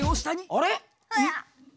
あれ？